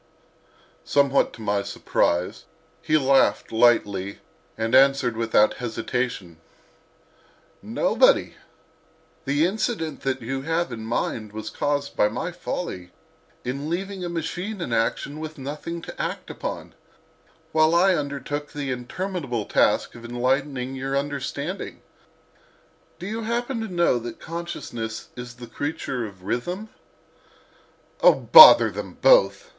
Somewhat to my surprise he laughed lightly and answered without hesitation: "Nobody; the incident that you have in mind was caused by my folly in leaving a machine in action with nothing to act upon, while I undertook the interminable task of enlightening your understanding. Do you happen to know that Consciousness is the creature of Rhythm?" "O bother them both!"